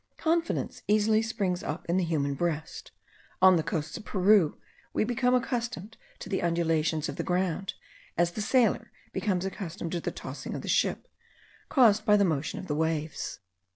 Confidence easily springs up in the human breast: on the coasts of Peru we become accustomed to the undulations of the ground, as the sailor becomes accustomed to the tossing of the ship, caused by the motion of the waves.